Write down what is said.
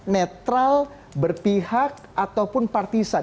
netral berpihak ataupun partisan